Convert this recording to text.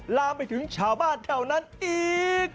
ลามไปถึงชาวบ้านแถวนั้นอีก